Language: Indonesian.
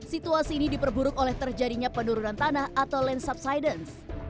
situasi ini diperburuk oleh terjadinya penurunan tanah atau land subsidence